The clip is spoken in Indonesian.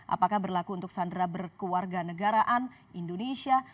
apakah berlaku untuk sandera berkewarga negaraan indonesia